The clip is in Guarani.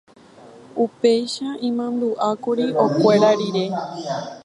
Upéicha imandu'ákuri okuera rire.